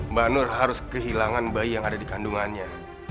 ibu nur harus menghilangkan bayi yang ada di kandungannya